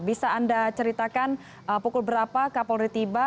bisa anda ceritakan pukul berapa kapolri tiba